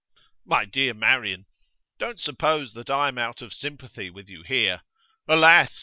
'My dear Marian, don't suppose that I am out of sympathy with you here. Alas!